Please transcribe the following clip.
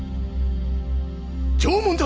縄文だ！